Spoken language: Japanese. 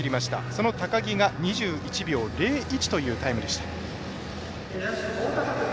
その高木が２１秒０１というタイムでした。